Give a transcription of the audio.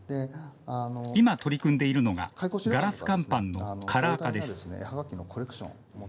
今、取り組んでいるのがガラス乾板のカラー化です。